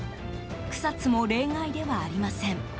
草津も例外ではありません。